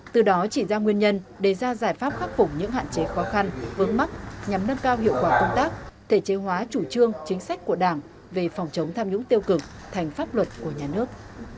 từ đó chỉ ra nguyên nhân đề ra giải pháp khắc phục những hạn chế khó khăn vướng mắt nhằm nâng cao hiệu quả công tác thể chế hóa chủ trương chính sách của đảng về phòng chống tham nhũng tiêu cực thành pháp luật của nhà nước